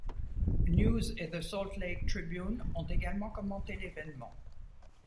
News, et The Salt Lake Tribune ont également commenté l'évènement.